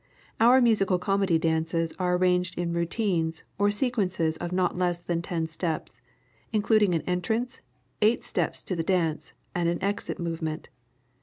Our musical comedy dances are arranged in routines, or sequences of not less than ten steps, including an entrance, eight steps to the dance, and an exit movement.